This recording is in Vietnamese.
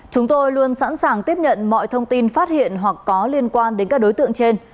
chúng tôi luôn sẵn sàng tiếp nhận mọi thông tin phát hiện hoặc có liên quan đến các đối tượng trên